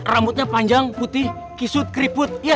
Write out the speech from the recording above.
rambutnya panjang putih kisut keriput